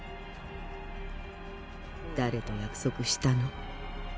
「誰と約束したの？」